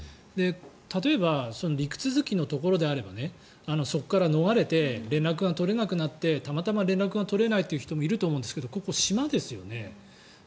例えば、陸続きのところであればそこから逃れて連絡が取れなくなってたまたま連絡が取れないという人もいると思うんですがここ島ですよね。